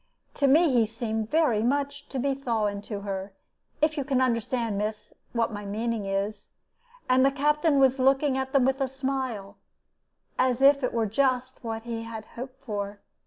To me he seemed very much to be thawing to her if you can understand, miss, what my meaning is and the Captain was looking at them with a smile, as if it were just what he had hoped for.